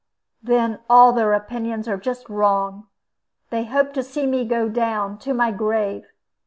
"Then all their opinions are just wrong. They hope to see me go down, to my grave.